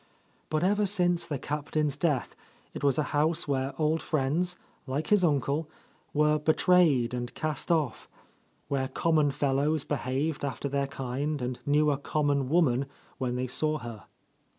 But ever since the Captain's death it was a house where old friends, like his uncle, were betrayed and cast off, where common fellows behaved after their kind and knew a common woman when they saw her.